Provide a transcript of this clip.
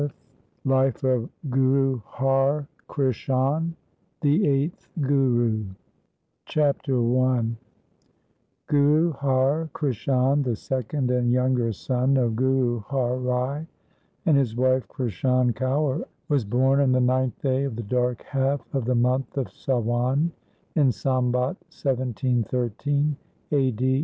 315 315 LIFE OF GURU HAR KRISHAN, THE EIGHTH GURU Chapter I Guru Har Krishan, the second and younger son of Guru Har Rai and his wife Krishan Kaur, was born on the ninth day of the dark half of the month of Sawan in Sambat 1713 (a.d.